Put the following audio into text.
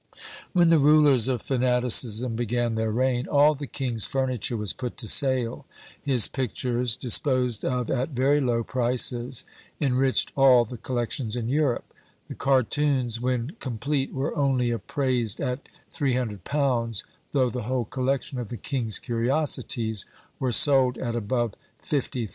When the rulers of fanaticism began their reign, "all the king's furniture was put to sale; his pictures, disposed of at very low prices, enriched all the collections in Europe; the cartoons when complete were only appraised at £300, though the whole collection of the king's curiosities were sold at above £50,000.